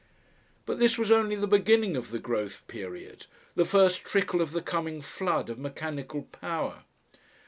But this was only the beginning of the growth period, the first trickle of the coming flood of mechanical power.